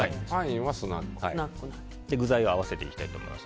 具材を合わせていきたいと思います。